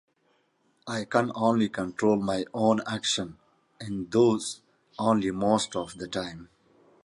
I can only control my own actions, and those only most of the time.